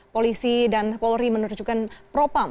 polisi dan polri menunjukkan propam